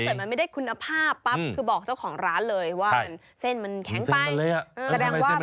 ก็คือถ้าเกิดมันไม่ได้คุณภาพปั๊บคือบอกเจ้าของร้านเลยว่าเส้นมันแข็งไป